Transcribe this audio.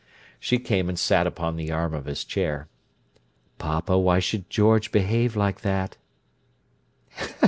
She came and sat upon the arm of his chair. "Papa, why should George behave like that?"